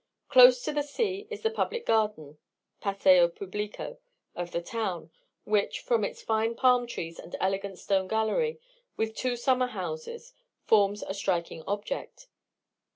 Close to the sea is the Public Garden (passeo publico) of the town, which, from its fine palm trees, and elegant stone gallery, with two summer houses, forms a striking object.